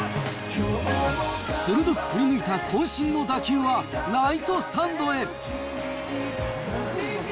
鋭く振り抜いたこん身の打球はライトスタンドへ。